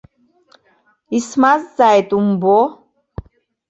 Исмазҵааит, умбо.